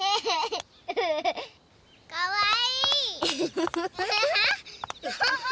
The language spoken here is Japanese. かわいい！